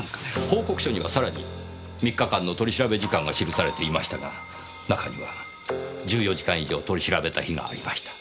報告書にはさらに３日間の取り調べ時間が記されていましたが中には１４時間以上取り調べた日がありました。